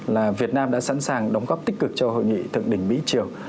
là việt nam đã sẵn sàng đóng góp tích cực cho hội nghị thượng đỉnh mỹ triều